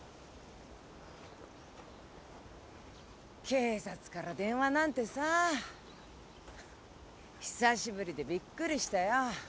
警察から電話なんてさ久しぶりでびっくりしたよ。